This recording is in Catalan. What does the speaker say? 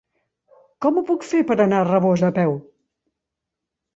Com ho puc fer per anar a Rabós a peu?